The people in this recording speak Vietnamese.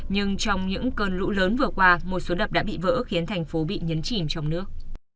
nhưng trong những cơn lũ lớn vừa qua một số đập đã bị vỡ khiến thành phố bị nhấn chìm trong nước